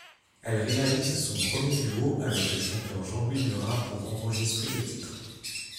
Elle réalise son premier duo avec le chanteur Jean-Louis Murat pour enregistrer le titre.